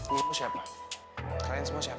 ini siapa kalian semua ciaba